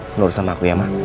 menurut sama aku ya mah